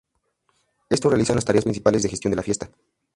Estos realizan las tareas principales de gestión de la fiesta.